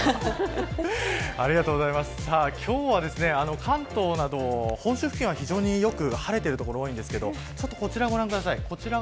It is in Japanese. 今日は関東など本州付近は非常によく晴れている所が多いんですがこちらをご覧ください。